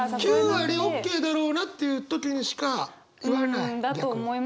９割ＯＫだろうなっていう時にしか言わない。